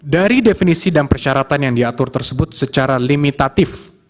dari definisi dan persyaratan yang diatur tersebut secara limitatif